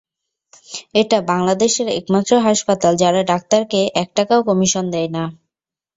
এটা বাংলাদেশের একমাত্র হাসপাতাল যারা ডাক্তারকে এক টাকাও কমিশন দেয় না।